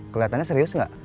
keliatannya serius gak